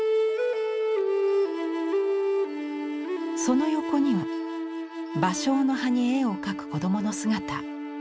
その横には芭蕉の葉に絵を描く子供の姿。